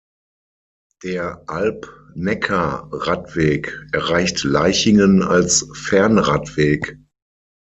Der Alb-Neckar-Radweg erreicht Laichingen als Fernradweg.